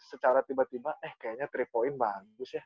secara tiba tiba eh kayaknya tiga point bagus ya